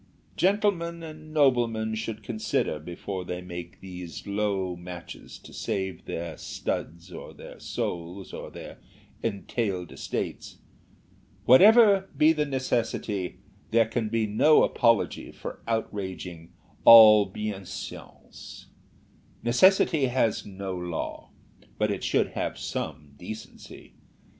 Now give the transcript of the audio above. "Gentlemen and noblemen should consider before they make these low matches to save their studs, or their souls, or their entailed estates. Whatever be the necessity, there can be no apology for outraging all bienséance. Necessity has no law, but it should have some decency.